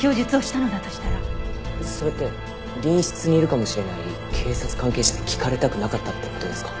それって隣室にいるかもしれない警察関係者に聞かれたくなかったって事ですか？